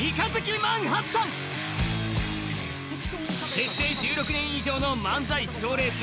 結成１６年以上の漫才賞レース